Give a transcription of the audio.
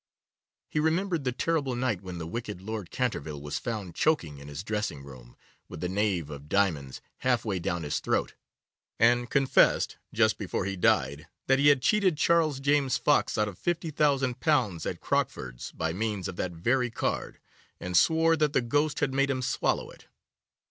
He remembered the terrible night when the wicked Lord Canterville was found choking in his dressing room, with the knave of diamonds half way down his throat, and confessed, just before he died, that he had cheated Charles James Fox out of £50,000 at Crockford's by means of that very card, and swore that the ghost had made him swallow it.